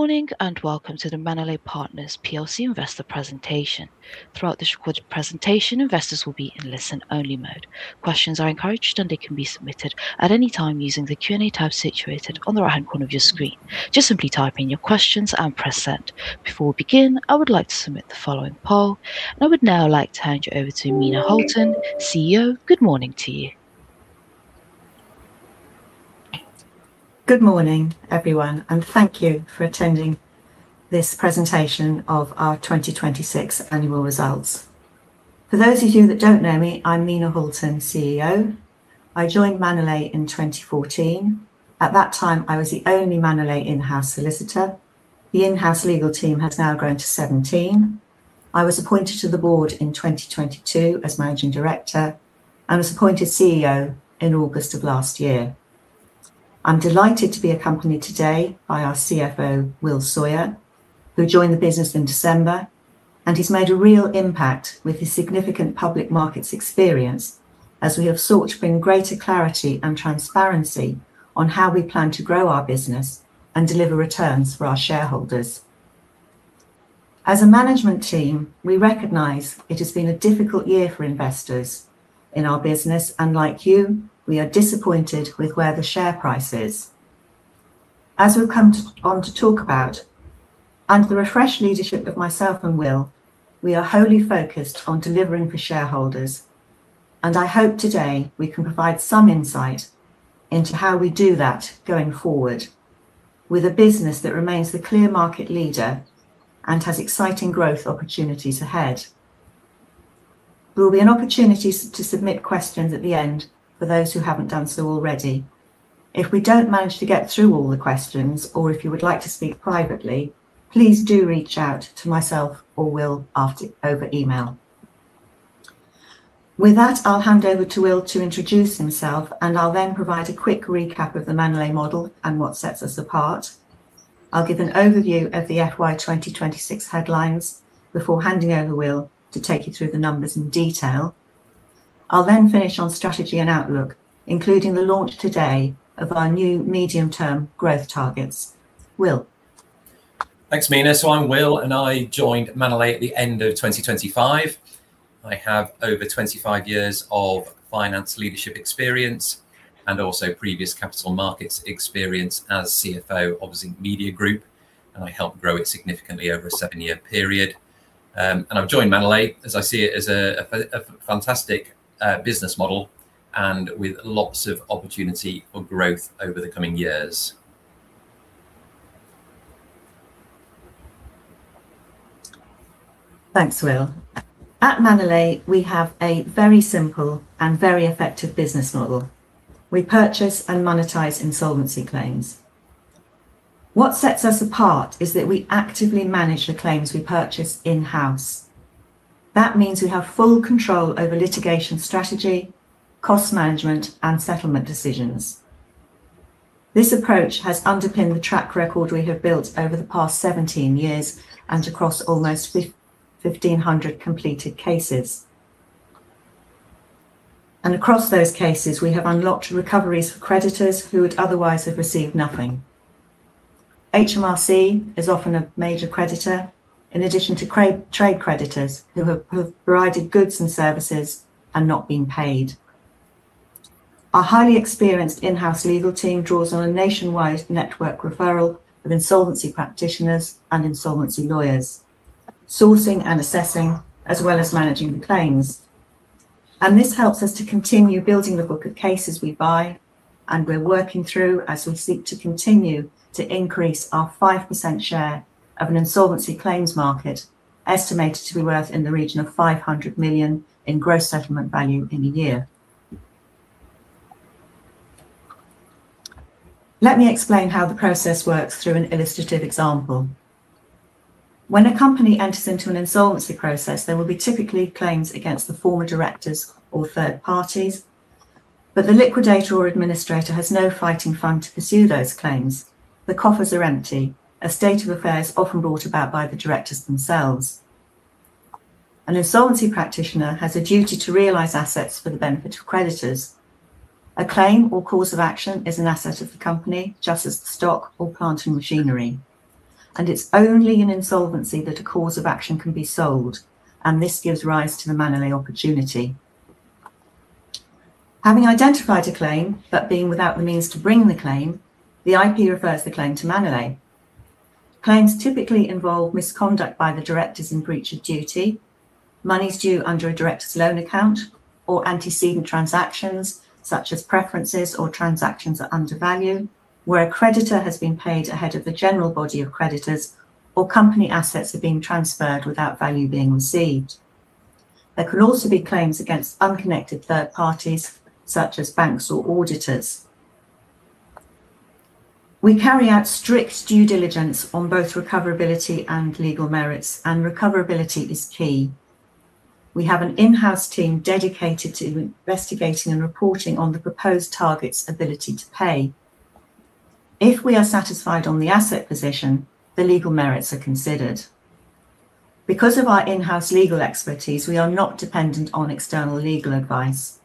Morning, welcome to the Manolete Partners PLC Investor Presentation. Throughout this recorded presentation, investors will be in listen only mode. Questions are encouraged, and they can be submitted at any time using the Q&A tab situated on the right-hand corner of your screen. Just simply type in your questions and press send. Before we begin, I would like to submit the following poll. I would now like to hand you over to Mena Halton, CEO. Good morning to you. Good morning, everyone. Thank you for attending this presentation of our 2026 annual results. For those of you that don't know me, I'm Mena Halton, CEO. I joined Manolete in 2014. At that time, I was the only Manolete in-house solicitor. The in-house legal team has now grown to 17. I was appointed to the board in 2022 as Managing Director and was appointed CEO in August of last year. I'm delighted to be accompanied today by our CFO, Will Sawyer, who joined the business in December, and he's made a real impact with his significant public markets experience as we have sought to bring greater clarity and transparency on how we plan to grow our business and deliver returns for our shareholders. As a management team, we recognize it has been a difficult year for investors in our business, and like you, we are disappointed with where the share price is. As we'll come on to talk about, under the refreshed leadership of myself and Will, we are wholly focused on delivering for shareholders, and I hope today we can provide some insight into how we do that going forward with a business that remains the clear market leader and has exciting growth opportunities ahead. There will be an opportunity to submit questions at the end for those who haven't done so already. If we don't manage to get through all the questions, or if you would like to speak privately, please do reach out to myself or Will over email. With that, I'll hand over to Will to introduce himself, and I'll then provide a quick recap of the Manolete model and what sets us apart. I'll give an overview of the FY 2026 headlines before handing over Will to take you through the numbers in detail. I'll finish on strategy and outlook, including the launch today of our new medium-term growth targets. Will? Thanks, Mena. I'm Will, and I joined Manolete at the end of 2025. I have over 25 years of finance leadership experience and also previous capital markets experience as CFO of Zinc Media Group, I helped grow it significantly over a seven-year period. I've joined Manolete as I see it as a fantastic business model and with lots of opportunity for growth over the coming years. Thanks, Will. At Manolete, we have a very simple and very effective business model. We purchase and monetize insolvency claims. What sets us apart is that we actively manage the claims we purchase in-house. That means we have full control over litigation strategy, cost management, and settlement decisions. This approach has underpinned the track record we have built over the past 17 years and across almost 1,500 completed cases. Across those cases, we have unlocked recoveries for creditors who would otherwise have received nothing. HMRC is often a major creditor, in addition to trade creditors who have provided goods and services and not been paid. Our highly experienced in-house legal team draws on a nationwide network referral of insolvency practitioners and insolvency lawyers, sourcing and assessing as well as managing the claims. This helps us to continue building the book of cases we buy and we're working through as we seek to continue to increase our 5% share of an insolvency claims market, estimated to be worth in the region of 500 million in gross settlement value in a year. Let me explain how the process works through an illustrative example. When a company enters into an insolvency process, there will be typically claims against the former directors or third parties, but the liquidator or administrator has no fighting fund to pursue those claims. The coffers are empty, a state of affairs often brought about by the directors themselves. An insolvency practitioner has a duty to realize assets for the benefit of creditors. A claim or cause of action is an asset of the company, just as stock or plant and machinery. It's only in insolvency that a cause of action can be sold, and this gives rise to the Manolete opportunity. Having identified a claim, but being without the means to bring the claim, the IP refers the claim to Manolete. Claims typically involve misconduct by the directors in breach of duty, monies due under a director's loan account, or antecedent transactions, such as preferences or transactions at undervalue, where a creditor has been paid ahead of the general body of creditors or company assets are being transferred without value being received. There can also be claims against unconnected third parties, such as banks or auditors. We carry out strict due diligence on both recoverability and legal merits, recoverability is key. We have an in-house team dedicated to investigating and reporting on the proposed target's ability to pay. If we are satisfied on the asset position, the legal merits are considered. Because of our in-house legal expertise, we are not dependent on external legal advice,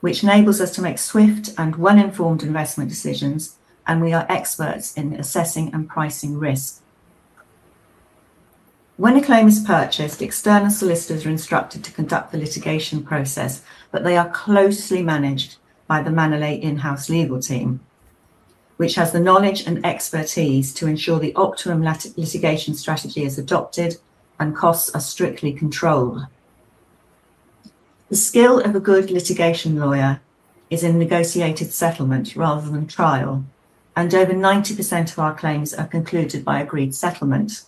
which enables us to make swift and well-informed investment decisions. We are experts in assessing and pricing risk. When a claim is purchased, external solicitors are instructed to conduct the litigation process, but they are closely managed by the Manolete in-house legal team, which has the knowledge and expertise to ensure the optimum litigation strategy is adopted and costs are strictly controlled. The skill of a good litigation lawyer is in negotiated settlement rather than trial. Over 90% of our claims are concluded by agreed settlement.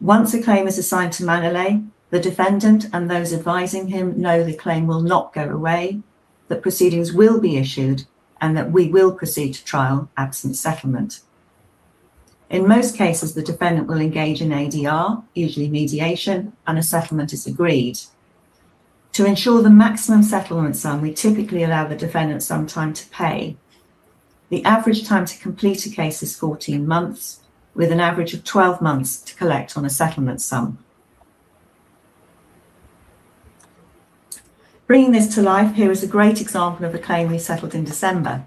Once a claim is assigned to Manolete, the defendant and those advising him know the claim will not go away, that proceedings will be issued, and that we will proceed to trial absent settlement. In most cases, the defendant will engage in ADR, usually mediation, and a settlement is agreed. To ensure the maximum settlement sum, we typically allow the defendant some time to pay. The average time to complete a case is 14 months, with an average of 12 months to collect on a settlement sum. Bringing this to life, here is a great example of a claim we settled in December.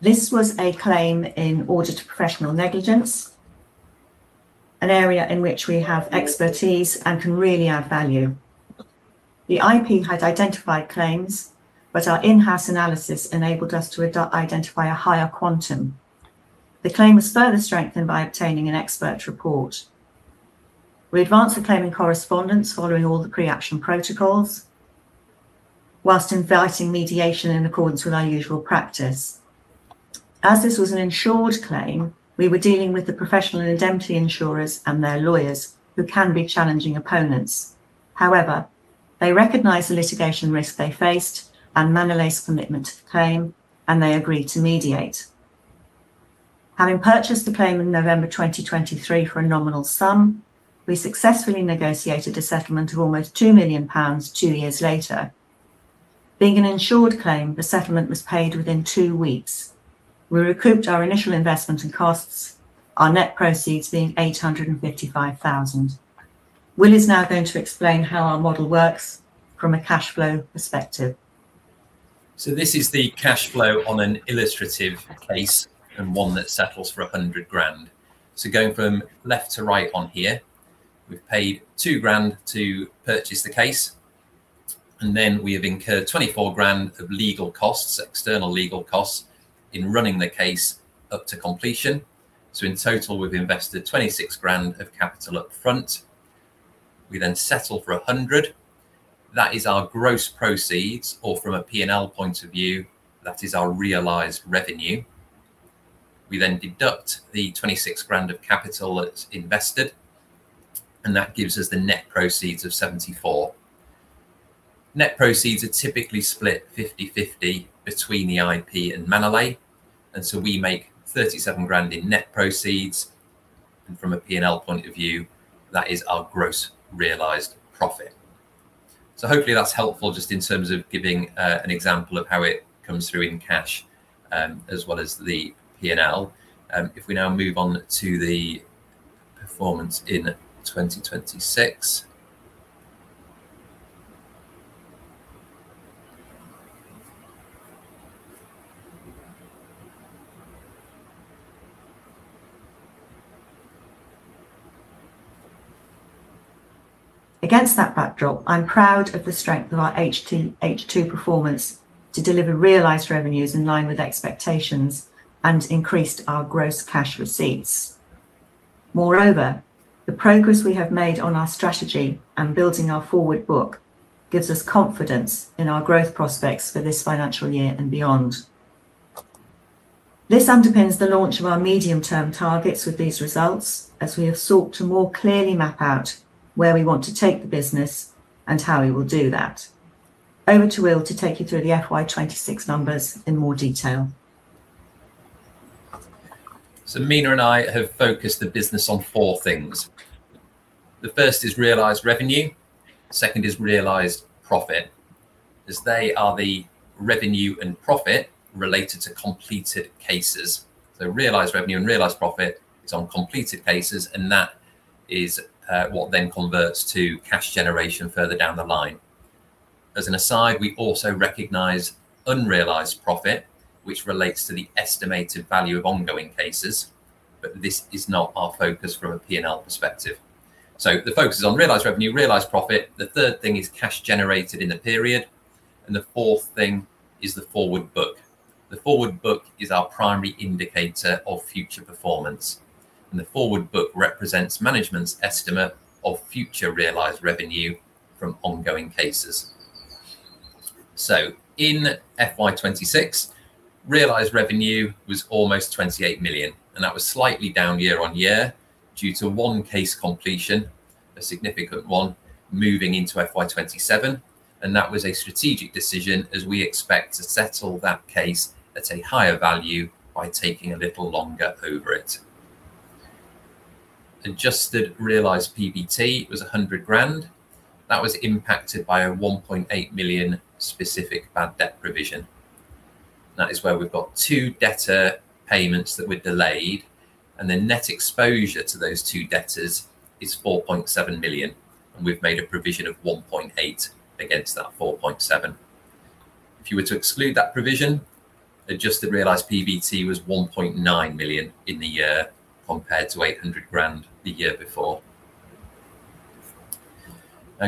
This was a claim in order to professional negligence, an area in which we have expertise and can really add value. The IP had identified claims, but our in-house analysis enabled us to identify a higher quantum. The claim was further strengthened by obtaining an expert report. We advanced the claim in correspondence following all the pre-action protocols, whilst inviting mediation in accordance with our usual practice. As this was an insured claim, we were dealing with the professional indemnity insurers and their lawyers, who can be challenging opponents. They recognized the litigation risk they faced and Manolete's commitment to the claim, and they agreed to mediate. Having purchased the claim in November 2023 for a nominal sum, we successfully negotiated a settlement of almost 2 million pounds two years later. Being an insured claim, the settlement was paid within two weeks. We recouped our initial investment and costs, our net proceeds being 855,000. Will is now going to explain how our model works from a cash flow perspective. This is the cash flow on an illustrative case, and one that settles for 100,000. Going from left to right on here, we've paid 2,000 to purchase the case, and then we have incurred 24,000 of legal costs, external legal costs, in running the case up to completion. In total, we've invested 26,000 of capital up front. We settle for 100,000. That is our gross proceeds, or from a P&L point of view, that is our realized revenue. We deduct the 26,000 of capital that's invested, and that gives us the net proceeds of 74,000. Net proceeds are typically split 50/50 between the IP and Manolete. We make 37,000 in net proceeds, and from a P&L point of view, that is our gross realized profit. Hopefully that's helpful just in terms of giving an example of how it comes through in cash, as well as the P&L. If we now move on to the performance in 2026. Against that backdrop, I'm proud of the strength of our H2 performance to deliver realized revenues in line with expectations and increased our gross cash receipts. Moreover, the progress we have made on our strategy and building our forward book gives us confidence in our growth prospects for this financial year and beyond. This underpins the launch of our medium-term targets with these results, as we have sought to more clearly map out where we want to take the business and how we will do that. Over to Will to take you through the FY 2026 numbers in more detail. Mena and I have focused the business on four things. The first is realized revenue, second is realized profit, as they are the revenue and profit related to completed cases. Realized revenue and realized profit is on completed cases, and that is what then converts to cash generation further down the line. As an aside, we also recognize unrealized profit, which relates to the estimated value of ongoing cases, but this is not our focus from a P&L perspective. The focus is on realized revenue, realized profit. The third thing is cash generated in the period, and the fourth thing is the forward book. The forward book is our primary indicator of future performance, and the forward book represents management's estimate of future realized revenue from ongoing cases. In FY 2026, realized revenue was almost 28 million, and that was slightly down year-on-year due to one case completion, a significant one, moving into FY 2027, and that was a strategic decision as we expect to settle that case at a higher value by taking a little longer over it. Adjusted realized PBT was 100,000. That was impacted by a 1.8 million specific bad debt provision. That is where we've got two debtor payments that were delayed, and the net exposure to those two debtors is 4.7 million, and we've made a provision of 1.8 million against that 4.7 million. If you were to exclude that provision, adjusted realized PBT was 1.9 million in the year, compared to 800,000 the year before.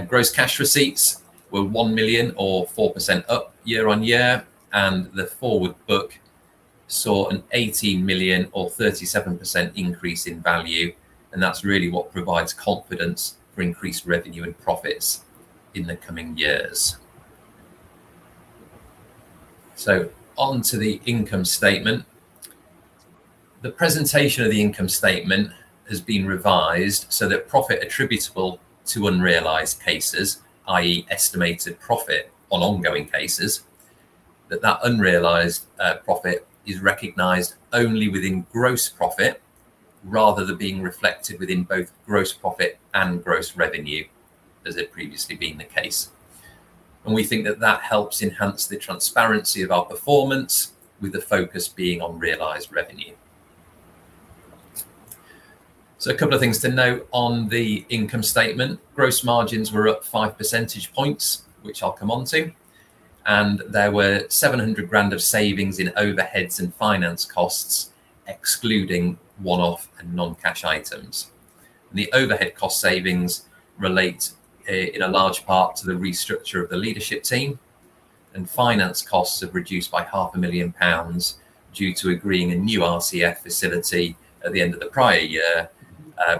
Gross cash receipts were 1 million or 4% up year-on-year, the forward book saw an 18 million or 37% increase in value, that's really what provides confidence for increased revenue and profits in the coming years. On to the income statement. The presentation of the income statement has been revised so that profit attributable to unrealized cases, i.e. estimated profit on ongoing cases, that that unrealized profit is recognized only within gross profit, rather than being reflected within both gross profit and gross revenue, as had previously been the case. We think that that helps enhance the transparency of our performance, with the focus being on realized revenue. A couple of things to note on the income statement. Gross margins were up 5 percentage points, which I'll come onto, there were 700,000 of savings in overheads and finance costs, excluding one-off and non-cash items. The overhead cost savings relate in a large part to the restructure of the leadership team, finance costs have reduced by 0.5 million pounds due to agreeing a new RCF facility at the end of the prior year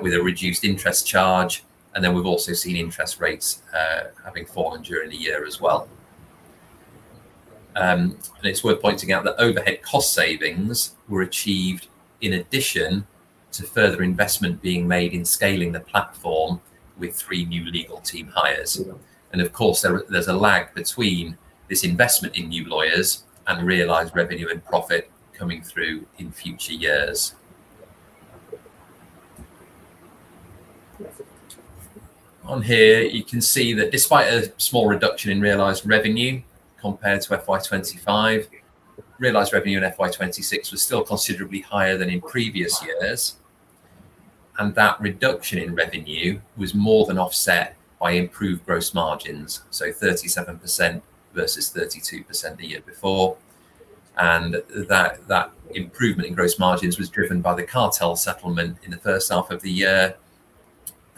with a reduced interest charge, we've also seen interest rates having fallen during the year as well. It's worth pointing out that overhead cost savings were achieved in addition to further investment being made in scaling the platform with three new legal team hires. Of course, there's a lag between this investment in new lawyers and realized revenue and profit coming through in future years. On here, you can see that despite a small reduction in realized revenue compared to FY 2025, realized revenue in FY 2026 was still considerably higher than in previous years, that reduction in revenue was more than offset by improved gross margins, so 37% versus 32% the year before. That improvement in gross margins was driven by the cartel settlement in the first half of the year,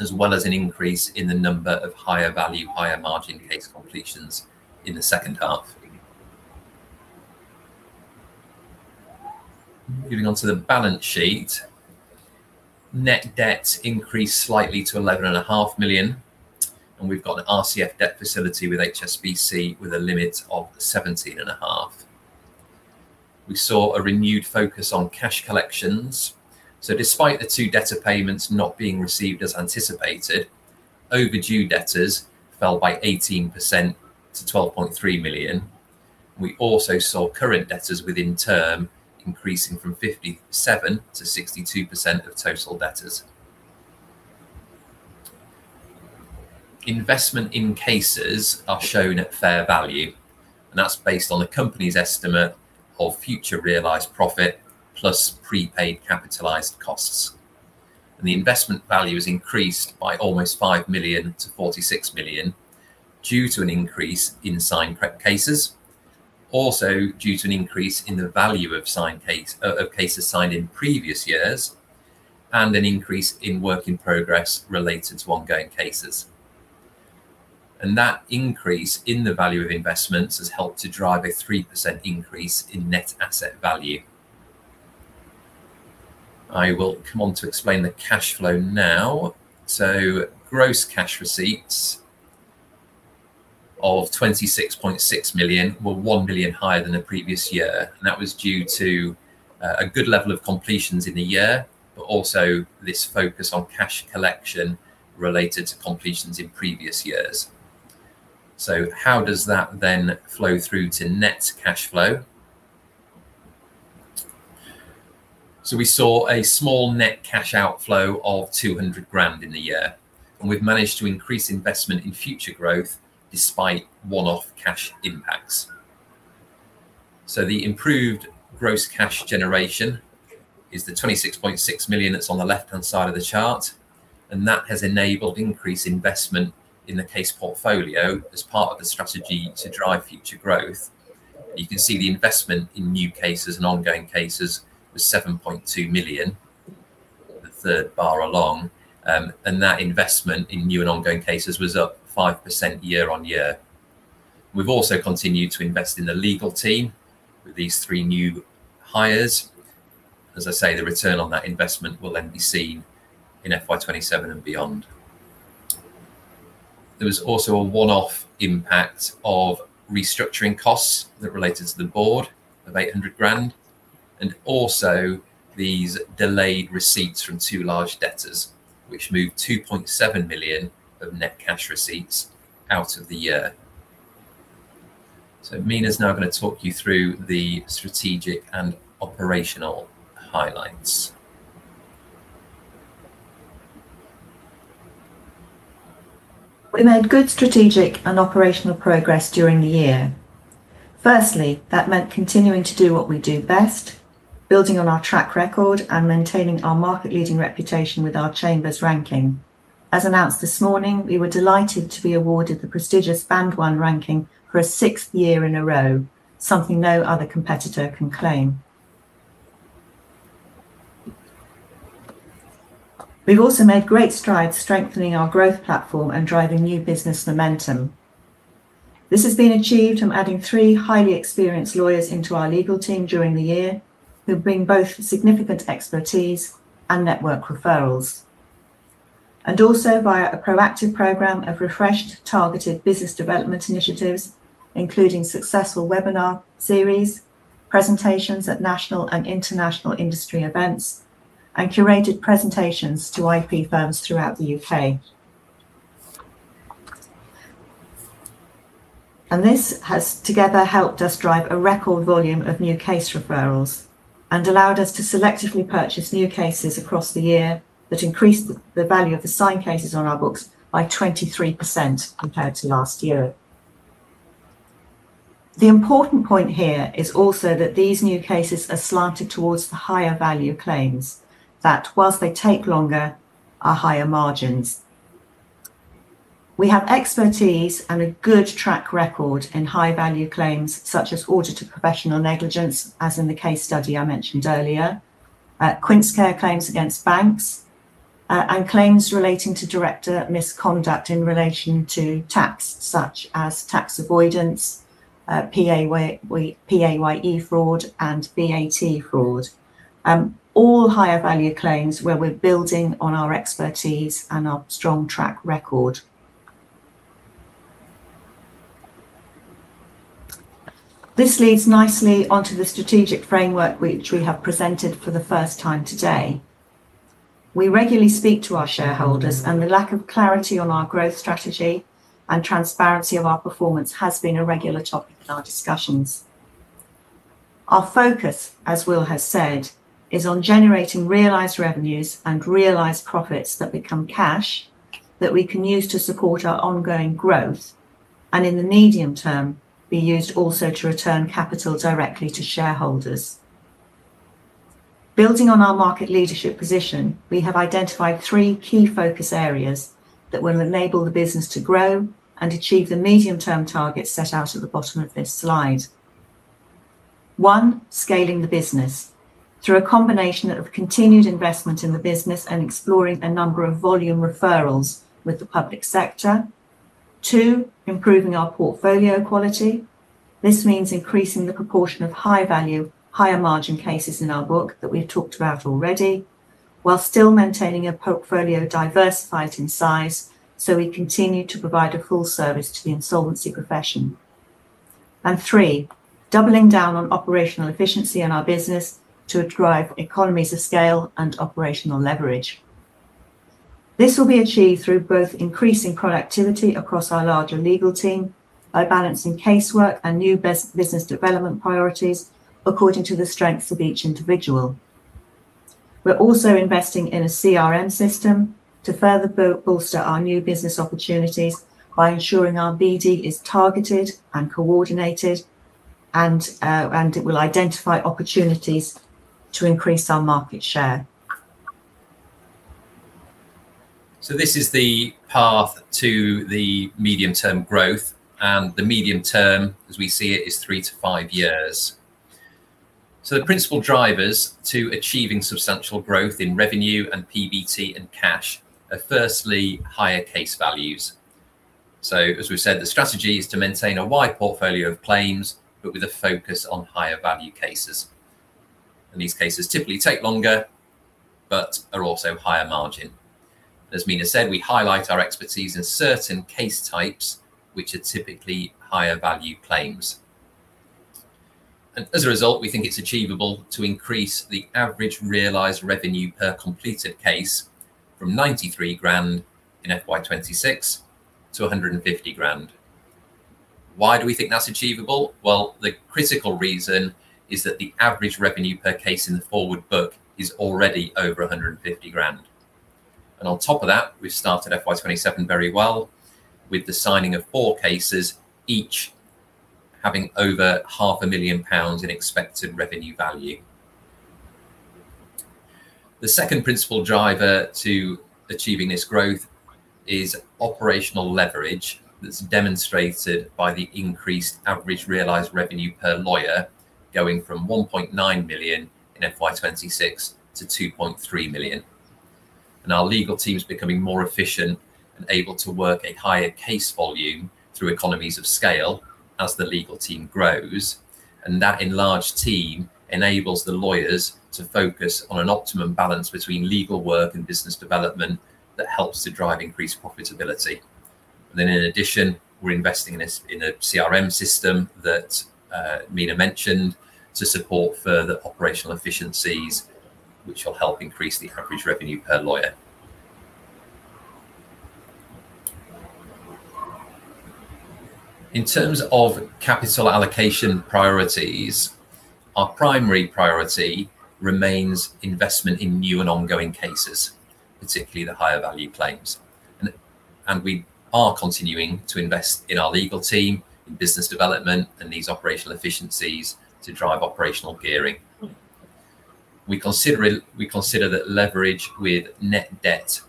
as well as an increase in the number of higher value, higher margin case completions in the second half. Moving on to the balance sheet. Net debt increased slightly to 11.5 million, we've got an RCF debt facility with HSBC with a limit of 17.5 million. We saw a renewed focus on cash collections. Despite the two debtor payments not being received as anticipated, overdue debtors fell by 18% to 12.3 million. We also saw current debtors within term increasing from 57% to 62% of total debtors. Investment in cases are shown at fair value, that's based on the company's estimate of future realized profit plus prepaid capitalized costs. The investment value has increased by almost 5 million to 46 million due to an increase in signed prep cases, also due to an increase in the value of cases signed in previous years, an increase in work in progress related to ongoing cases. That increase in the value of investments has helped to drive a 3% increase in net asset value. I will come on to explain the cash flow now. Gross cash receipts of 26.6 million were 1 million higher than the previous year, that was due to a good level of completions in the year, also this focus on cash collection related to completions in previous years. How does that then flow through to net cash flow? We saw a small net cash outflow of 200,000 in the year, we've managed to increase investment in future growth despite one-off cash impacts. The improved gross cash generation is the 26.6 million that's on the left-hand side of the chart, that has enabled increased investment in the case portfolio as part of the strategy to drive future growth. You can see the investment in new cases and ongoing cases was 7.2 million, the third bar along, that investment in new and ongoing cases was up 5% year-over-year. We've also continued to invest in the legal team with these three new hires. As I say, the return on that investment will then be seen in FY 2027 and beyond. There was also a one-off impact of restructuring costs that related to the board of 800,000, also these delayed receipts from two large debtors, which moved 2.7 million of net cash receipts out of the year. Mena's now going to talk you through the strategic and operational highlights. We made good strategic and operational progress during the year. Firstly, that meant continuing to do what we do best, building on our track record and maintaining our market leading reputation with our Chambers ranking. As announced this morning, we were delighted to be awarded the prestigious Band 1 ranking for a sixth year in a row, something no other competitor can claim. We've also made great strides strengthening our growth platform and driving new business momentum. This has been achieved from adding three highly experienced lawyers into our legal team during the year, who have bring both significant expertise and network referrals. Also via a proactive program of refreshed, targeted business development initiatives, including successful webinar series, presentations at national and international industry events, and curated presentations to IP firms throughout the U.K. This has together helped us drive a record volume of new case referrals and allowed us to selectively purchase new cases across the year that increased the value of the signed cases on our books by 23% compared to last year. The important point here is also that these new cases are slanted towards the higher value claims that, whilst they take longer, are higher margins. We have expertise and a good track record in high value claims such as auditor professional negligence, as in the case study I mentioned earlier, Quincecare claims against banks, and claims relating to director misconduct in relation to tax, such as tax avoidance, PAYE fraud, and VAT fraud. All higher value claims where we're building on our expertise and our strong track record. This leads nicely onto the strategic framework which we have presented for the first time today. We regularly speak to our shareholders. The lack of clarity on our growth strategy and transparency of our performance has been a regular topic in our discussions. Our focus, as Will has said, is on generating realized revenues and realized profits that become cash that we can use to support our ongoing growth, and in the medium term, be used also to return capital directly to shareholders. Building on our market leadership position, we have identified three key focus areas that will enable the business to grow and achieve the medium-term targets set out at the bottom of this slide. One, scaling the business through a combination of continued investment in the business and exploring a number of volume referrals with the public sector. Two, improving our portfolio quality. This means increasing the proportion of high value, higher margin cases in our book that we've talked about already, while still maintaining a portfolio diversified in size so we continue to provide a full service to the insolvency profession. Three, doubling down on operational efficiency in our business to drive economies of scale and operational leverage. This will be achieved through both increasing productivity across our larger legal team by balancing casework and new business development priorities according to the strengths of each individual. We're also investing in a CRM system to further bolster our new business opportunities by ensuring our BD is targeted and coordinated, and it will identify opportunities to increase our market share. This is the path to the medium-term growth, and the medium term, as we see it, is three to five years. The principal drivers to achieving substantial growth in revenue and PBT and cash are firstly, higher case values. As we've said, the strategy is to maintain a wide portfolio of claims, but with a focus on higher value cases. These cases typically take longer, but are also higher margin. As Mena said, we highlight our expertise in certain case types, which are typically higher value claims. As a result, we think it's achievable to increase the average realized revenue per completed case from 93,000 in FY 2026 to 150,000. Why do we think that's achievable? Well, the critical reason is that the average revenue per case in the forward book is already over 150,000. On top of that, we've started FY 2027 very well with the signing of four cases, each having over 0.5 million pounds in expected revenue value. The second principal driver to achieving this growth is operational leverage that's demonstrated by the increased average realized revenue per lawyer going from 1.9 million in FY 2026 to 2.3 million. Our legal team's becoming more efficient and able to work a higher case volume through economies of scale as the legal team grows. That enlarged team enables the lawyers to focus on an optimum balance between legal work and business development that helps to drive increased profitability. In addition, we're investing in a CRM system that Mena mentioned to support further operational efficiencies, which will help increase the average revenue per lawyer. In terms of capital allocation priorities, our primary priority remains investment in new and ongoing cases, particularly the higher value claims. We are continuing to invest in our legal team, in business development, and these operational efficiencies to drive operational gearing. We consider that leverage with net debt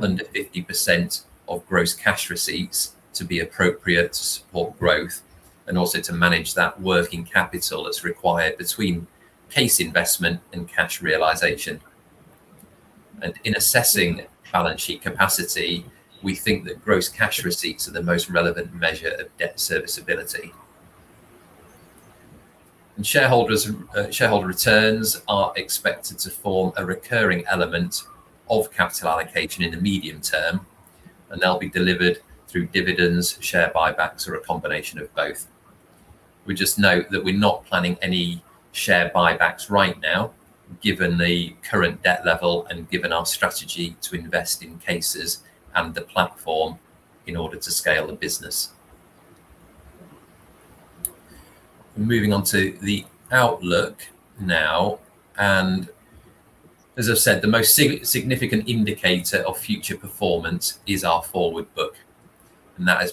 under 50% of gross cash receipts to be appropriate to support growth and also to manage that working capital that's required between case investment and cash realization. In assessing balance sheet capacity, we think that gross cash receipts are the most relevant measure of debt serviceability. Shareholder returns are expected to form a recurring element of capital allocation in the medium term, and they'll be delivered through dividends, share buybacks, or a combination of both. We just note that we're not planning any share buybacks right now, given the current debt level and given our strategy to invest in cases and the platform in order to scale the business. Moving on to the outlook now. As I've said, the most significant indicator of future performance is our forward book, and that has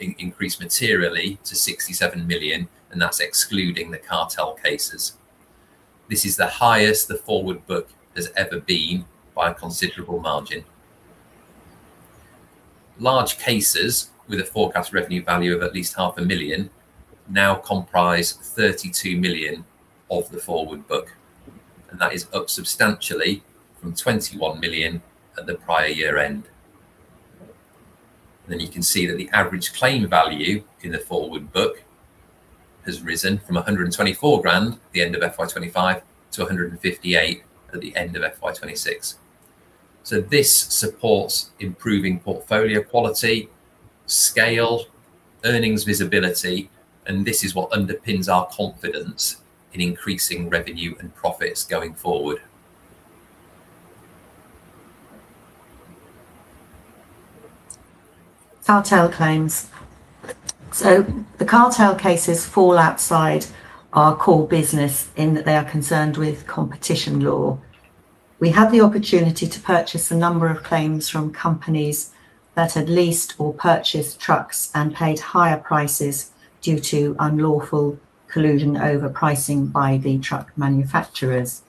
increased materially to 67 million, and that's excluding the cartel cases. This is the highest the forward book has ever been by a considerable margin. Large cases with a forecast revenue value of at least 0.5 million now comprise 32 million of the forward book, and that is up substantially from 21 million at the prior year end. You can see that the average claim value in the forward book has risen from 124,000 at the end of FY 2025 to 158,000 at the end of FY 2026. This supports improving portfolio quality, scale, earnings visibility, and this is what underpins our confidence in increasing revenue and profits going forward. Cartel claims. The cartel cases fall outside our core business in that they are concerned with competition law. We have the opportunity to purchase a number of claims from companies that had leased or purchased trucks and paid higher prices due to unlawful collusion overpricing by the truck manufacturers.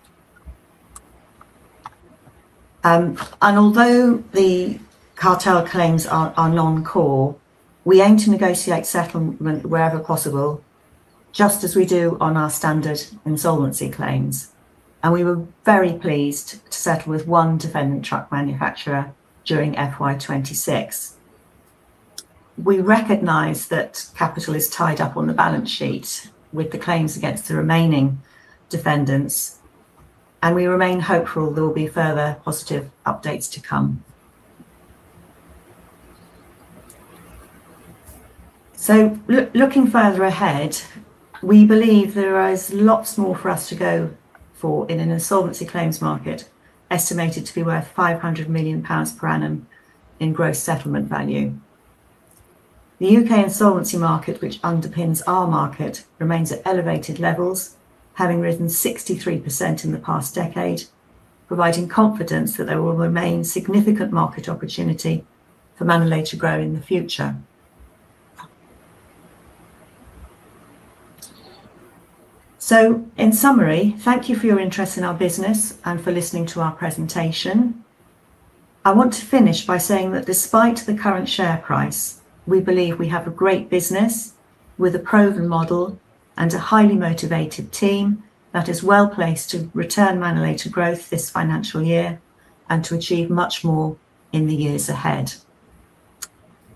Although the cartel claims are non-core, we aim to negotiate settlement wherever possible, just as we do on our standard insolvency claims, and we were very pleased to settle with one defendant truck manufacturer during FY 2026. We recognize that capital is tied up on the balance sheet with the claims against the remaining defendants, and we remain hopeful there will be further positive updates to come. Looking further ahead, we believe there is lots more for us to go for in an insolvency claims market estimated to be worth 500 million pounds per annum in gross settlement value. The U.K. insolvency market, which underpins our market, remains at elevated levels, having risen 63% in the past decade, providing confidence that there will remain significant market opportunity for Manolete to grow in the future. In summary, thank you for your interest in our business and for listening to our presentation. I want to finish by saying that despite the current share price, we believe we have a great business with a proven model and a highly motivated team that is well-placed to return Manolete to growth this financial year and to achieve much more in the years ahead.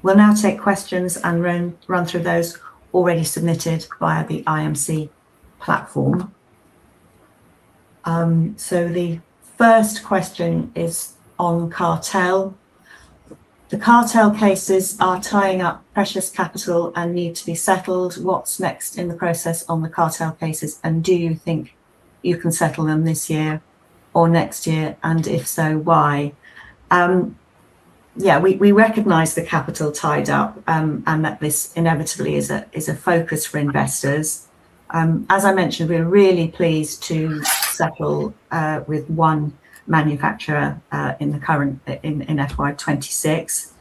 We'll now take questions and run through those already submitted via the IMC platform. The first question is on cartel. The cartel cases are tying up precious capital and need to be settled. What's next in the process on the cartel cases, and do you think you can settle them this year or next year, and if so, why? Yeah, we recognize the capital tied up, and that this inevitably is a focus for investors. As I mentioned, we are really pleased to settle with one manufacturer in FY 2026.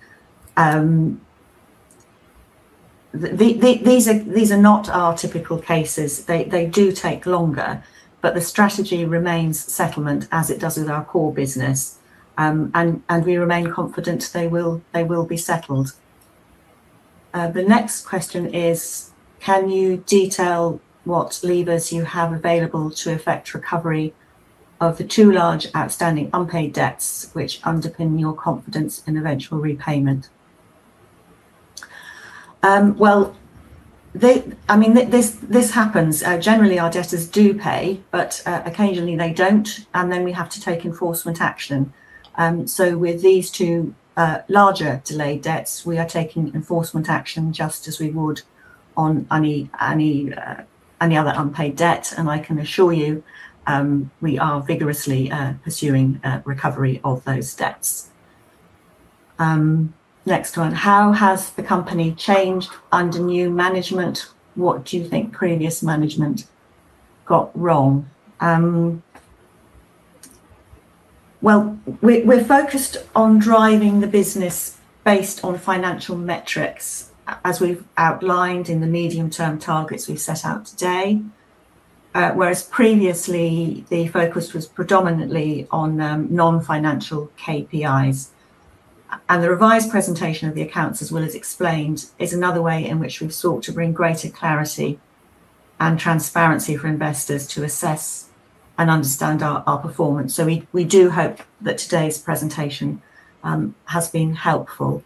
These are not our typical cases. They do take longer, but the strategy remains settlement as it does with our core business, and we remain confident they will be settled. The next question is, can you detail what levers you have available to affect recovery of the two large outstanding unpaid debts which underpin your confidence in eventual repayment? This happens. Generally, our debtors do pay, but occasionally they don't, and then we have to take enforcement action. With these two larger delayed debts, we are taking enforcement action just as we would on any other unpaid debt, and I can assure you, we are vigorously pursuing recovery of those debts. Next one. How has the company changed under new management? What do you think previous management got wrong? We're focused on driving the business based on financial metrics, as we've outlined in the medium-term targets we've set out today. Whereas previously, the focus was predominantly on non-financial KPIs. The revised presentation of the accounts, as Will has explained, is another way in which we've sought to bring greater clarity and transparency for investors to assess and understand our performance. We do hope that today's presentation has been helpful.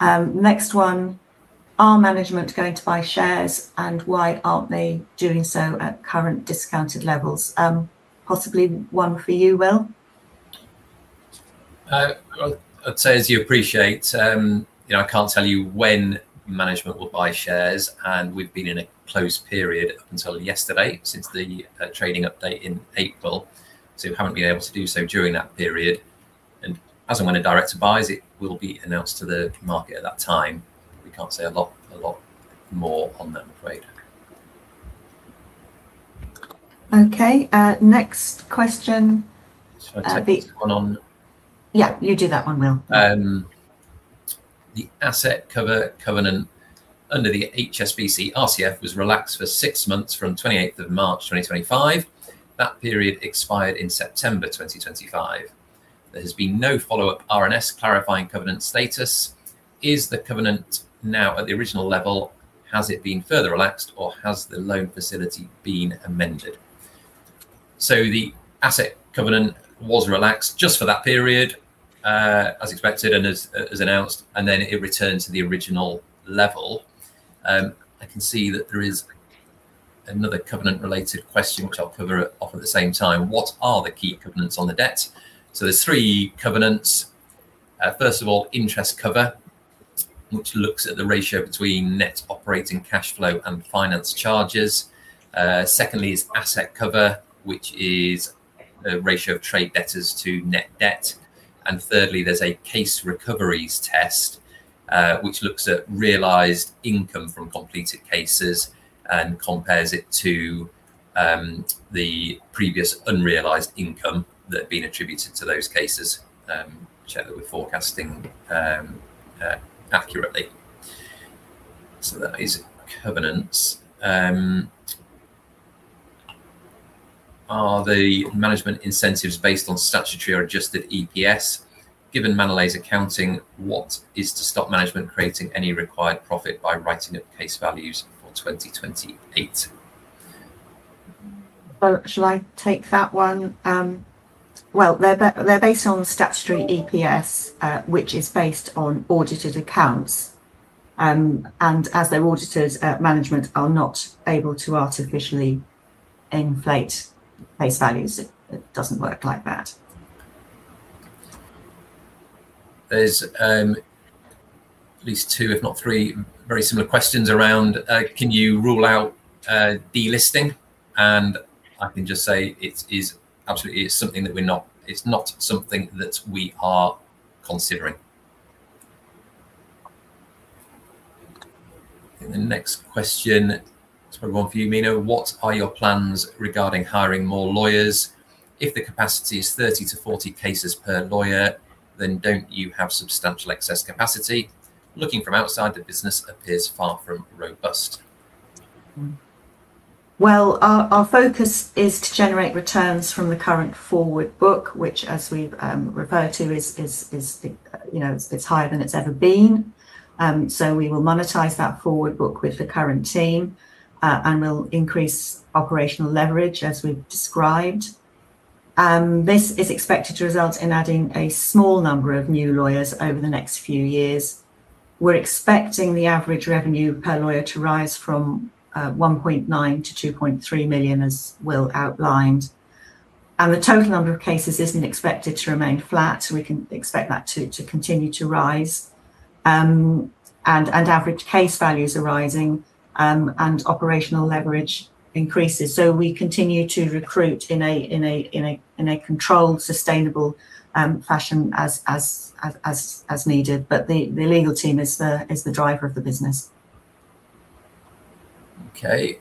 Next one. Are management going to buy shares, and why aren't they doing so at current discounted levels? Possibly one for you, Will. I'd say, as you appreciate, I can't tell you when management will buy shares, and we've been in a closed period up until yesterday, since the trading update in April, so we haven't been able to do so during that period. As and when a director buys, it will be announced to the market at that time. We can't say a lot more on that, I'm afraid. Okay. Next question. Shall I take this one on? Yeah, you do that one, Will. The asset covenant under the HSBC RCF was relaxed for six months from 28th of March 2025. That period expired in September 2025. There has been no follow-up RNS clarifying covenant status. Is the covenant now at the original level? Has it been further relaxed, or has the loan facility been amended? The asset covenant was relaxed just for that period, as expected and as announced, and then it returned to the original level. I can see that there is another covenant-related question, which I'll cover off at the same time. What are the key covenants on the debt? There's three covenants. First of all, interest cover, which looks at the ratio between net operating cash flow and finance charges. Secondly is asset cover, which is the ratio of trade debtors to net debt. Thirdly, there's a case recoveries test, which looks at realized income from completed cases and compares it to the previous unrealized income that had been attributed to those cases, to check that we're forecasting accurately. That is covenants. Are the management incentives based on statutory or adjusted EPS? Given Manolete's accounting, what is to stop management creating any required profit by writing up case values for 2028? Shall I take that one? They're based on statutory EPS, which is based on audited accounts. As they're audited, management are not able to artificially inflate base values. It doesn't work like that. There's at least two, if not three, very similar questions around, can you rule out delisting? I can just say it's not something that we are considering. The next question is probably one for you, Mena. What are your plans regarding hiring more lawyers? If the capacity is 30 to 40 cases per lawyer, don't you have substantial excess capacity? Looking from outside, the business appears far from robust. Our focus is to generate returns from the current forward book, which, as we've referred to, is higher than it's ever been. We will monetize that forward book with the current team, and we'll increase operational leverage, as we've described. This is expected to result in adding a small number of new lawyers over the next few years. We're expecting the average revenue per lawyer to rise from 1.9 million-2.3 million, as Will outlined. The total number of cases isn't expected to remain flat, we can expect that to continue to rise. Average case values are rising, and operational leverage increases. We continue to recruit in a controlled, sustainable fashion as needed. The legal team is the driver of the business. Okay.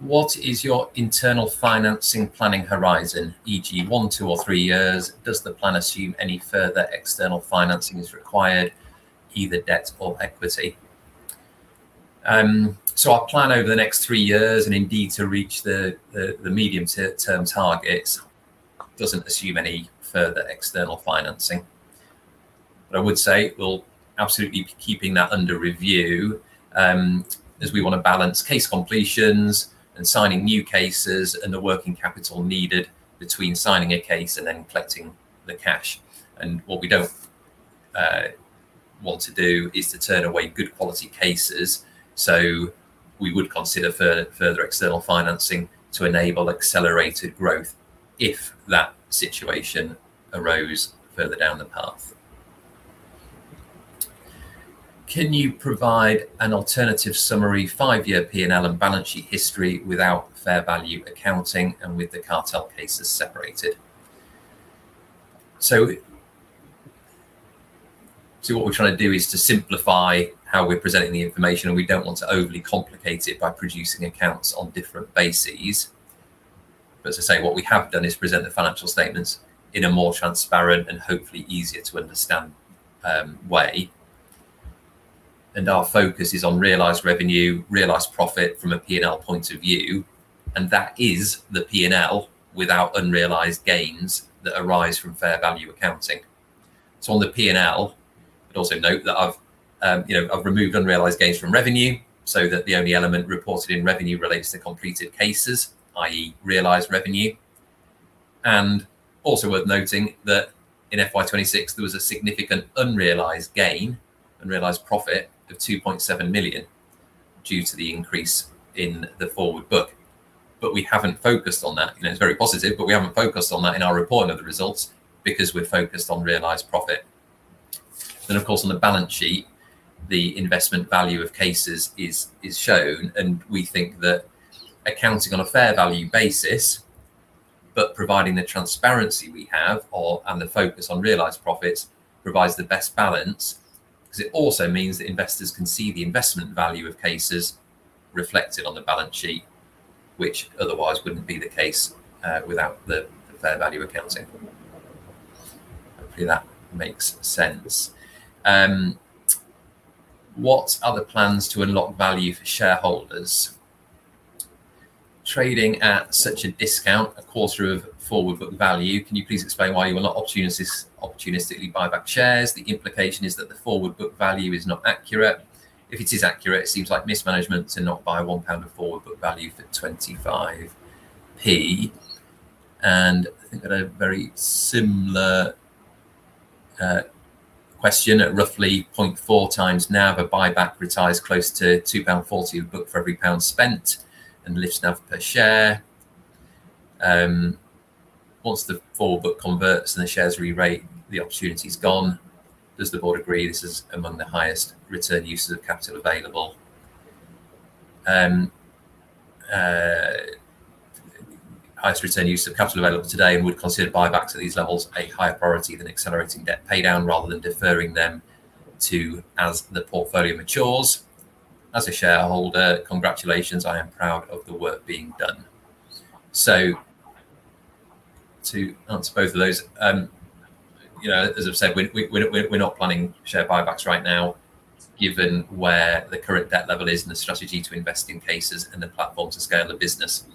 What is your internal financing planning horizon, e.g., one, two, or three years? Does the plan assume any further external financing is required, either debt or equity? Our plan over the next three years, and indeed to reach the medium-term targets, doesn't assume any further external financing. I would say we'll absolutely be keeping that under review, as we want to balance case completions and signing new cases and the working capital needed between signing a case and then collecting the cash. What we don't want to do is to turn away good quality cases. We would consider further external financing to enable accelerated growth if that situation arose further down the path. Can you provide an alternative summary five-year P&L and balance sheet history without fair value accounting and with the cartel cases separated?" What we are trying to do is to simplify how we are presenting the information, we don't want to overly complicate it by producing accounts on different bases. As I say, what we have done is present the financial statements in a more transparent and hopefully easier to understand way. Our focus is on realized revenue, realized profit from a P&L point of view, and that is the P&L without unrealized gains that arise from fair value accounting. On the P&L, I'd also note that I've removed unrealized gains from revenue so that the only element reported in revenue relates to completed cases, i.e., realized revenue. Also worth noting that in FY 2026, there was a significant unrealized gain, unrealized profit of 2.7 million due to the increase in the forward book. We haven't focused on that. It's very positive, but we haven't focused on that in our reporting of the results because we're focused on realized profit. Of course, on the balance sheet, the investment value of cases is shown, we think that accounting on a fair value basis, providing the transparency we have and the focus on realized profits, provides the best balance because it also means that investors can see the investment value of cases reflected on the balance sheet, which otherwise wouldn't be the case without the fair value accounting. Hopefully, that makes sense. "What are the plans to unlock value for shareholders? Trading at such a discount, a quarter of forward book value. Can you please explain why you will not opportunistically buyback shares? The implication is that the forward book value is not accurate. If it is accurate, it seems like mismanagement to not buy 1 pound of forward book value for 0.25." I think I had a very similar question. "At roughly 0.4x NAV a buyback retires close to 2.40 pound of book for every pound spent and lifts NAV per share. Once the forward book converts and the shares re-rate, the opportunity is gone. Does the board agree this is among the highest return uses of capital available today and would consider buybacks at these levels a higher priority than accelerating debt paydown rather than deferring them to as the portfolio matures? As a shareholder, congratulations, I am proud of the work being done." To answer both of those, as I've said, we're not planning share buybacks right now given where the current debt level is and the strategy to invest in cases and the platform to scale the business.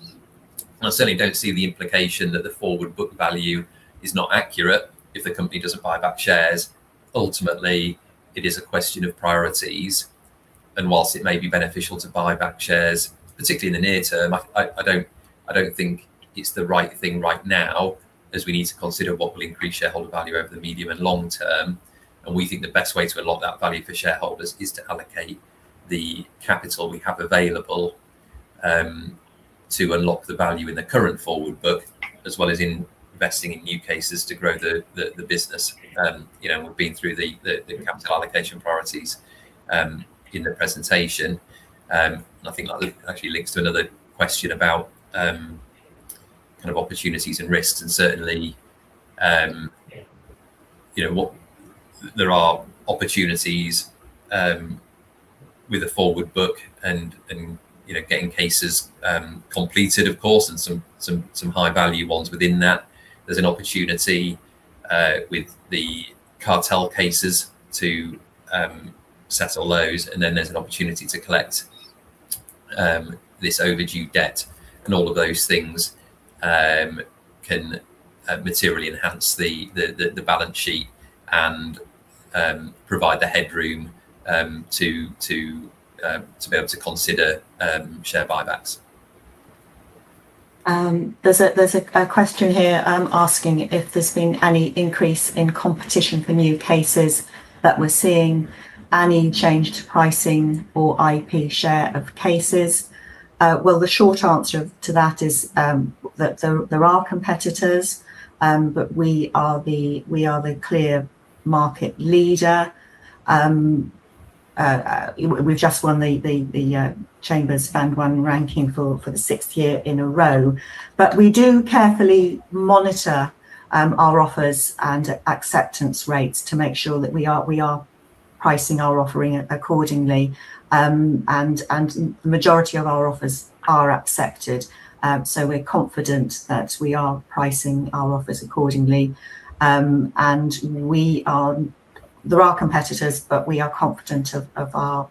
I certainly don't see the implication that the forward book value is not accurate if the company doesn't buyback shares. Ultimately, it is a question of priorities, and whilst it may be beneficial to buyback shares, particularly in the near term, I don't think it's the right thing right now as we need to consider what will increase shareholder value over the medium and long term. We think the best way to unlock that value for shareholders is to allocate the capital we have available to unlock the value in the current forward book, as well as investing in new cases to grow the business. We've been through the capital allocation priorities in the presentation. I think that actually links to another question about opportunities and risks, and certainly there are opportunities with a forward book and getting cases completed of course, and some high-value ones within that. There's an opportunity with the cartel cases to settle those, there's an opportunity to collect this overdue debt and all of those things can materially enhance the balance sheet and provide the headroom to be able to consider share buybacks. There's a question here asking if there's been any increase in competition for new cases that we're seeing, any change to pricing or IP share of cases. The short answer to that is that there are competitors, but we are the clear market leader. We've just won The Chambers Band 1 ranking for the sixth year in a row. We do carefully monitor our offers and acceptance rates to make sure that we are pricing our offering accordingly. The majority of our offers are accepted, so we are confident that we are pricing our offers accordingly. There are competitors, but we are confident of our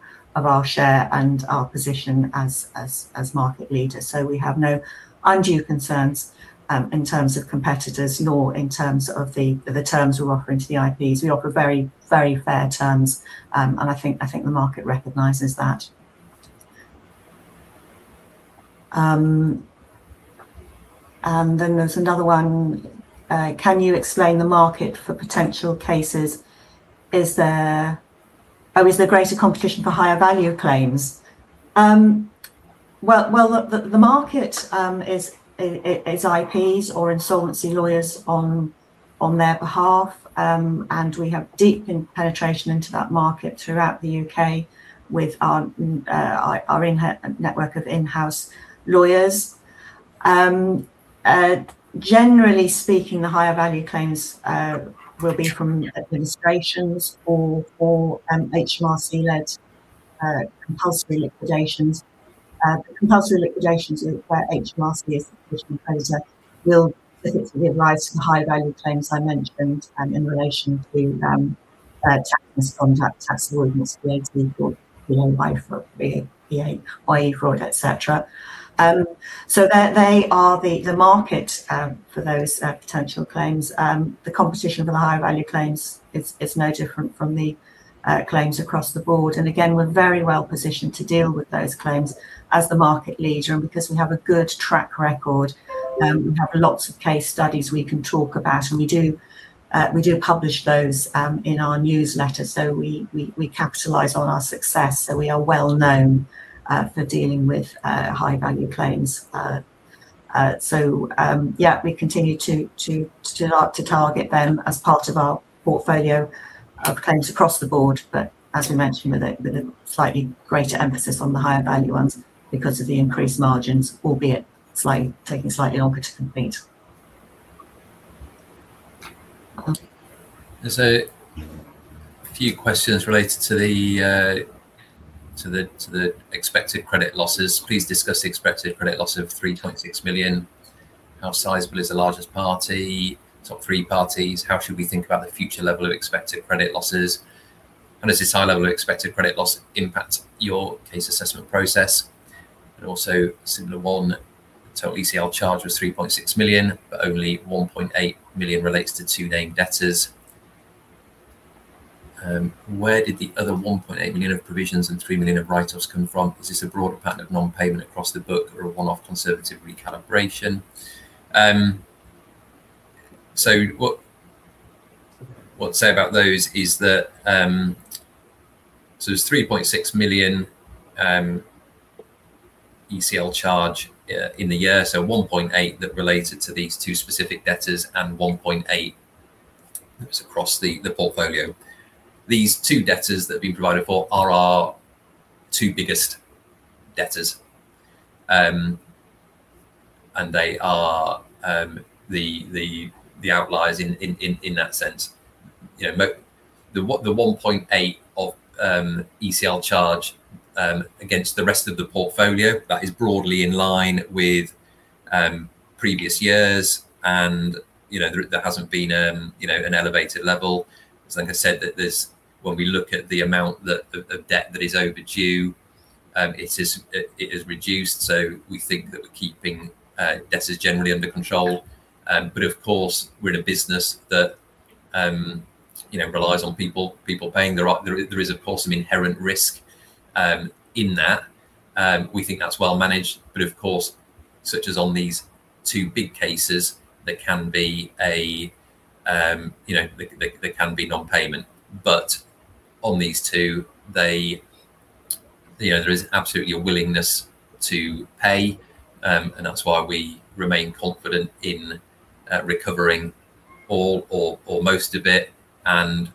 share and our position as market leader. We have no undue concerns in terms of competitors, nor in terms of the terms we're offering to the IPs. We offer very fair terms, and I think the market recognizes that. There's another one. "Can you explain the market for potential cases? Is there greater competition for higher value claims?" The market is IPs or insolvency lawyers on their behalf, and we have deep penetration into that market throughout the U.K. with our network of in-house lawyers. Generally speaking, the higher value claims will be from administrations or HMRC-led compulsory liquidations. Compulsory liquidations where HMRC is the official creditor will give rise to the higher value claims I mentioned in relation to tax avoidance, VAT fraud, PAYE fraud, et cetera. They are the market for those potential claims. The competition for the higher value claims is no different from the claims across the board. Again, we're very well-positioned to deal with those claims as the market leader and because we have a good track record, we have lots of case studies we can talk about, and we do publish those in our newsletter. We capitalize on our success. We are well-known for dealing with high-value claims. Yeah, we continue to target them as part of our portfolio of claims across the board, but as we mentioned, with a slightly greater emphasis on the higher value ones because of the increased margins, albeit taking slightly longer to complete. There's a few questions related to the expected credit losses. Please discuss the expected credit loss of 3.6 million. How sizable is the largest party? Top three parties. How should we think about the future level of expected credit losses? How does this high level of expected credit loss impact your case assessment process? Also, similar one, total ECL charge was 3.6 million, but only 1.8 million relates to two named debtors. Where did the other 1.8 million of provisions and 3 million of write-offs come from? Is this a broader pattern of non-payment across the book or a one-off conservative recalibration? What I'd say about those is that, there's 3.6 million ECL charge in the year, 1.8 million that related to these two specific debtors and 1.8 million that was across the portfolio. These two debtors that have been provided for are our two biggest debtors, and they are the outliers in that sense. The 1.8 million of ECL charge against the rest of the portfolio, that is broadly in line with previous years, and there hasn't been an elevated level. Like I said, when we look at the amount of debt that is overdue, it has reduced. We think that we're keeping debtors generally under control. Of course, we're in a business that relies on people paying. There is, of course, some inherent risk in that. We think that's well managed, but of course, such as on these two big cases, there can be non-payment. On these two, there is absolutely a willingness to pay, and that's why we remain confident in recovering all or most of it, and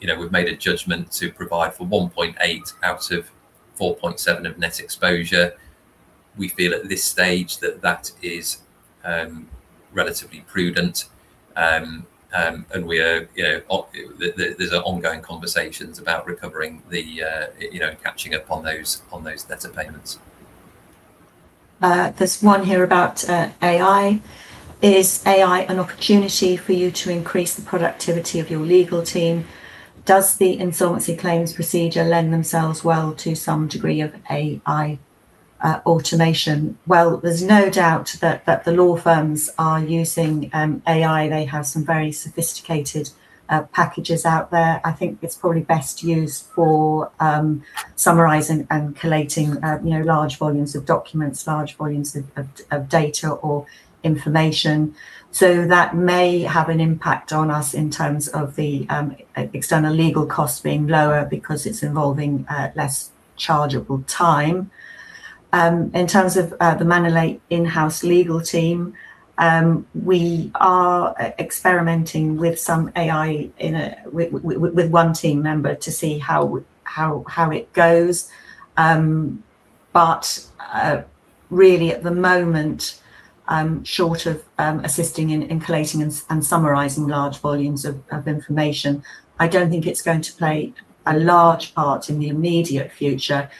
we've made a judgment to provide for 1.8 million out of 4.7 million of net exposure. We feel at this stage that that is relatively prudent. There's ongoing conversations about recovering and catching up on those debtor payments. There's one here about AI. Is AI an opportunity for you to increase the productivity of your legal team? Does the insolvency claims procedure lend themselves well to some degree of AI automation? There's no doubt that the law firms are using AI. They have some very sophisticated packages out there. I think it's probably best used for summarizing and collating large volumes of documents, large volumes of data or information. That may have an impact on us in terms of the external legal costs being lower because it's involving less chargeable time. In terms of the Manolete in-house legal team, we are experimenting with some AI with one team member to see how it goes. Really, at the moment, short of assisting in collating and summarizing large volumes of information, I don't think it's going to play a large part in the immediate future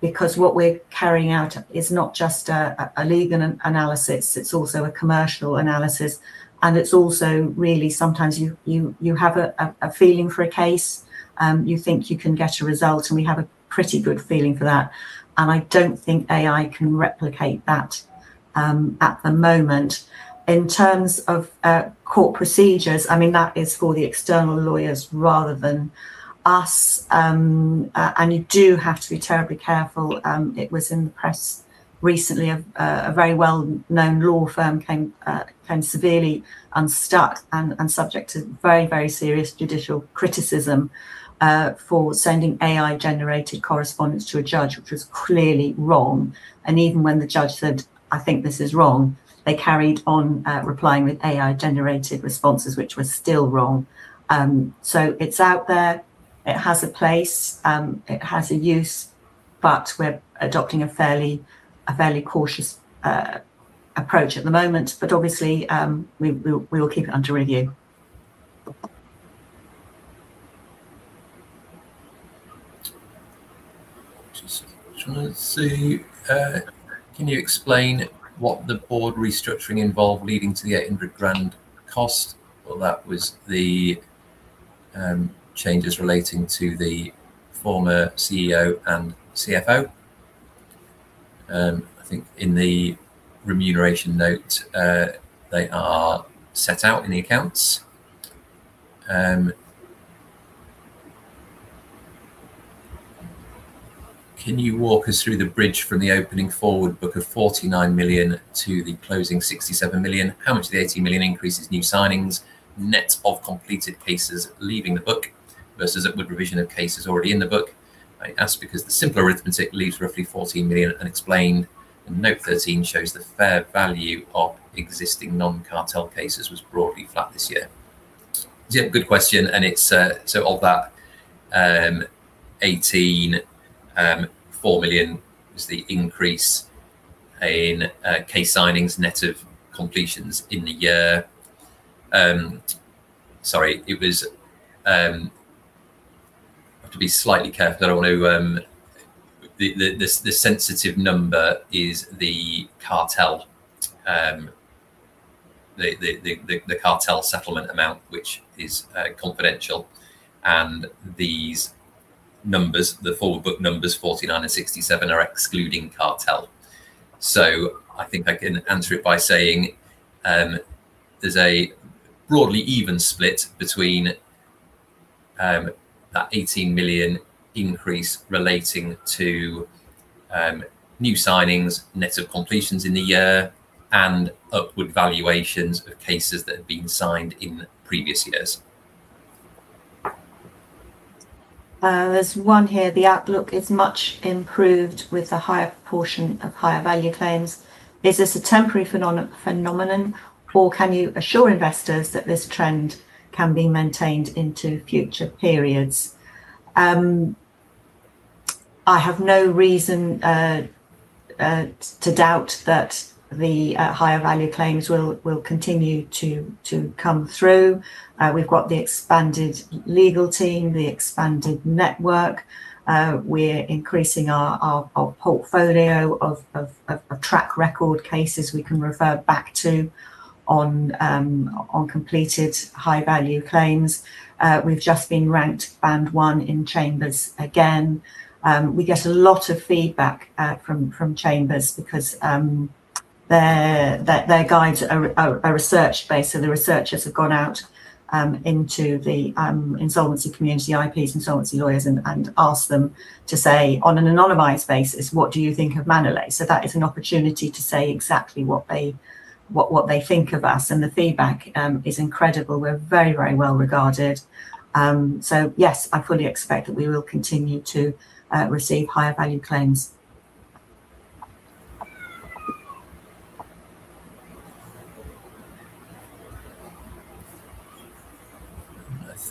because what we're carrying out is not just a legal analysis, it's also a commercial analysis, and it's also really sometimes you have a feeling for a case, you think you can get a result, and we have a pretty good feeling for that, and I don't think AI can replicate that at the moment. In terms of court procedures, that is for the external lawyers rather than us. You do have to be terribly careful. It was in the press recently, a very well-known law firm came severely unstuck and subject to very serious judicial criticism for sending AI-generated correspondence to a judge, which was clearly wrong. Even when the judge said, "I think this is wrong," they carried on replying with AI-generated responses, which were still wrong. It's out there. It has a place. It has a use. We're adopting a fairly cautious approach at the moment. Obviously, we will keep it under review. Just trying to see. "Can you explain what the board restructuring involved leading to the 800,000 cost?" That was the changes relating to the former CEO and CFO. I think in the remuneration note, they are set out in the accounts. "Can you walk us through the bridge from the opening forward book of 49 million to the closing 67 million? How much of the 18 million increase is new signings, net of completed cases leaving the book versus upward revision of cases already in the book? I ask because the simple arithmetic leaves roughly 14 million unexplained, and Note 13 shows the fair value of existing non-cartel cases was broadly flat this year." Yeah, good question. Of that 18 million, 4 million was the increase in case signings net of completions in the year. Sorry, I have to be slightly careful. The sensitive number is the cartel settlement amount, which is confidential. These numbers, the forward book numbers 49 and 67 are excluding cartel. I think I can answer it by saying there's a broadly even split between that 18 million increase relating to new signings, net of completions in the year, and upward valuations of cases that had been signed in previous years. There's one here. "The outlook is much improved with a higher proportion of higher value claims. Is this a temporary phenomenon, or can you assure investors that this trend can be maintained into future periods?" I have no reason to doubt that the higher value claims will continue to come through. We've got the expanded legal team, the expanded network. We're increasing our portfolio of track record cases we can refer back to on completed high-value claims. We've just been ranked Band 1 in Chambers again. We get a lot of feedback from Chambers because their guides are research-based, so the researchers have gone out into the insolvency community, IPs, insolvency lawyers, and asked them to say on an anonymized basis, "What do you think of Manolete?" That is an opportunity to say exactly what they think of us, and the feedback is incredible. We're very well regarded. Yes, I fully expect that we will continue to receive higher value claims.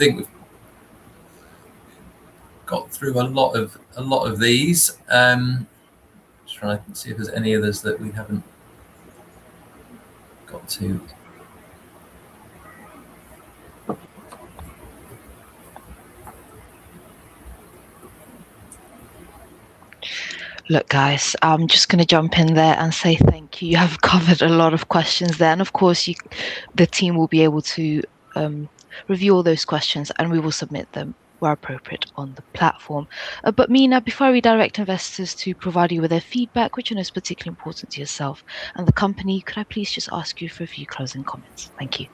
I think we've got through a lot of these. Just trying to see if there's any others that we haven't got to. Look, guys, I'm just going to jump in there and say thank you. You have covered a lot of questions there. Of course, the team will be able to review all those questions. We will submit them where appropriate on the platform. Mena, before I redirect investors to provide you with their feedback, which you know is particularly important to yourself and the company, could I please just ask you for a few closing comments? Thank you.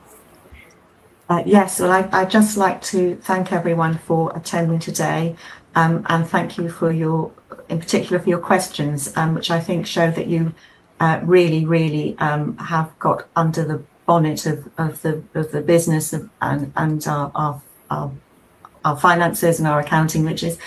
Well, I'd just like to thank everyone for attending today. Thank you in particular for your questions, which I think show that you really have got under the bonnet of the business and our finances and our accounting, which is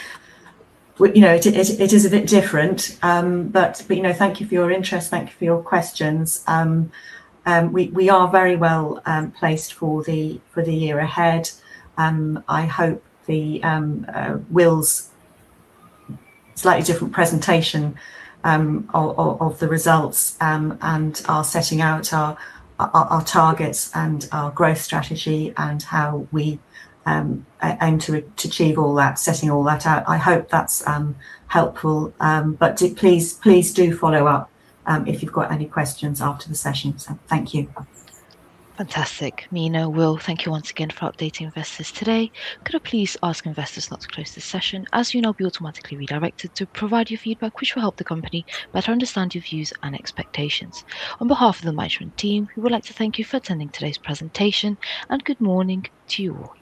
a bit different. Thank you for your interest. Thank you for your questions. We are very well placed for the year ahead. I hope Will's slightly different presentation of the results and our setting out our targets and our growth strategy and how we aim to achieve all that, setting all that out, I hope that's helpful. Please do follow up if you've got any questions after the session. Thank you. Fantastic. Mena, Will, thank you once again for updating investors today. Could I please ask investors not to close this session. As you know, you will be automatically redirected to provide your feedback, which will help the company better understand your views and expectations. On behalf of the management team, we would like to thank you for attending today's presentation. Good morning to you all.